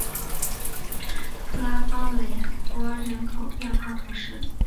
普拉邦雷波人口变化图示